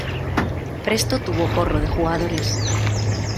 presto tuvo corro de jugadores.